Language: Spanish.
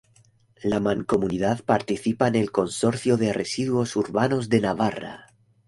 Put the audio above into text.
La mancomunidad participa en el Consorcio de Residuos Urbanos de Navarra.